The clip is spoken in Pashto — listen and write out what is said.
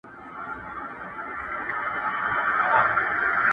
o پر اخوند ښوروا ډېره ده٫